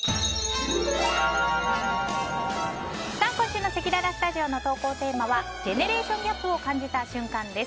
今週のせきららスタジオの投稿テーマはジェネレーションギャップを感じた瞬間です。